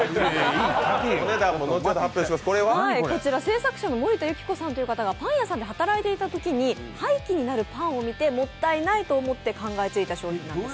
こちら制作者の森田優希子さんという方がパン屋で働いていたときに廃棄になるパンを見てもったいないと感じて作られたそうです。